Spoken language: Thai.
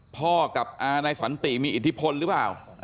พ่อกับอานายสันติมีอิทธิพลหรือเปล่า